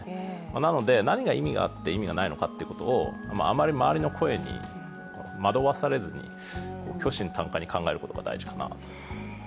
なので、何が意味があって、意味がないのかということを、あまり周りの声に惑わされずに虚心坦懐に考えることが大事かなと。